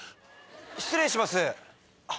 失礼します。